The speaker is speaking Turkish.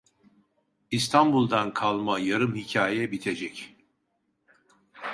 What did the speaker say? İstanbul’dan kalma yarım hikâye bitecek.